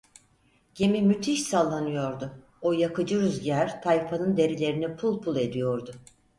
Gemi müthiş sallanıyordu; o yakıcı rüzgar tayfanın derilerini pul pul ediyordu.